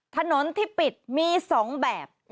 ถนนที่ปิดมี๒แบบ